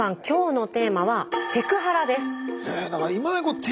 今日のテーマは「セクハラ」です。